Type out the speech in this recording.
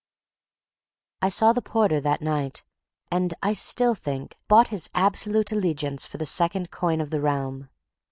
I saw the porter that night, and, I still think, bought his absolute allegiance for the second coin of the realm.